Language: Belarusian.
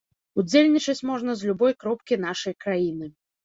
Удзельнічаць можна з любой кропкі нашай краіны.